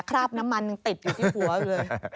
คราบน้ำมันติดอยู่ที่หัวเลย